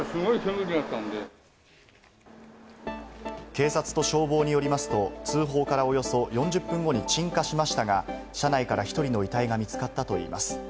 警察と消防によりますと、通報からおよそ４０分後に鎮火しましたが、車内から１人の遺体が見つかったといいます。